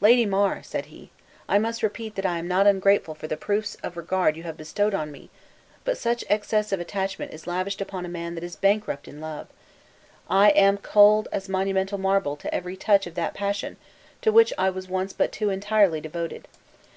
"Lady mar," said he, "I must repeat that I am not ungrateful for the proofs of regard you have bestowed on me; but such excess of attachment is lavished upon a man that is a bankrupt in love. I am cold as monumental marble to every touch of that passion to which I was once but too entirely devoted.